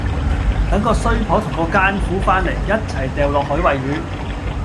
等個衰婆同個姦夫返嚟，一齊掉落海餵魚